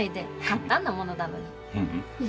簡単なものだのに。